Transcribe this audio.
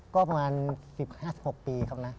ก็ประมาณ๑๕๑๖ปีครับนะ